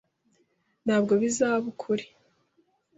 Ntabwo bizaba kuri .